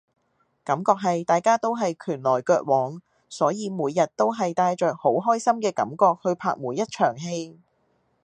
感覺係大家都係拳來腳往，所以每日都係帶着好開心嘅感覺去拍每一場戲